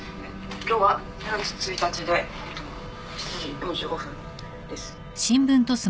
今日は２月１日でえっと７時４５分です。